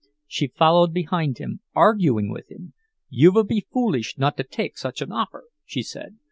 She followed behind him, arguing with him. "You vill be foolish not to take such an offer," she said.